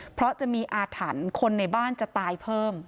เพราะจะมีอาถรรพ์คนในบ้านจะตายเพิ่ม